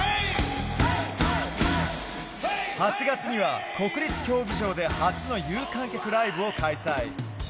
８月には国立競技場で初の有観客ライブを開催。